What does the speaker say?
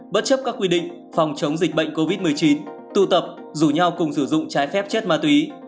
bất chấp các quy định phòng chống dịch bệnh covid một mươi chín tụ tập rủ nhau cùng sử dụng trái phép chất ma túy